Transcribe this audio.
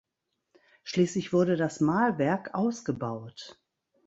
Schließlich wurde das Mahlwerk ausgebaut.